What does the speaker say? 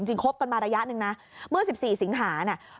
คบกันมาระยะหนึ่งนะเมื่อ๑๔สิงหาเนี่ย